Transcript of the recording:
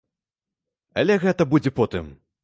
Але гэта будзе потым.